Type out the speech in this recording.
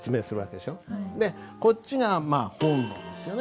でこっちがまあ本論ですよね。